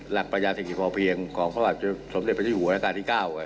หลักประญาติศิษย์พอเพียงของเขาสำเร็จไปที่หัวหน้าตาที่๙